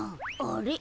あれ？